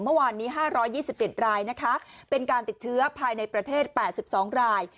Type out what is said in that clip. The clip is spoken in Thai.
เมื่อวานนี้๕๒๗รายนะคะเป็นการติดเชื้อภายในประเทศ๘๒ราย